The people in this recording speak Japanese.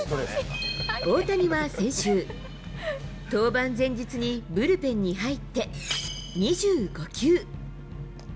大谷は先週、登板前日にブルペンに入って、２５球。